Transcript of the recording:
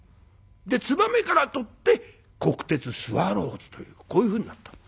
で「つばめ」からとって国鉄スワローズというこういうふうになった。